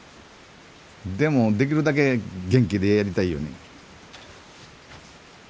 でもできるだけ元気でやりたいよね。